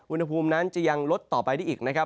อุณหภูมินั้นจะยังลดต่อไปได้อีกนะครับ